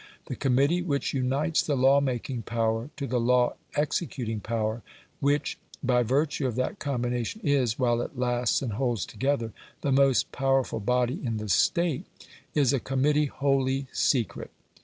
The committee which unites the law making power to the law executing power which, by virtue of that combination, is, while it lasts and holds together, the most powerful body in the State is a committee wholly secret.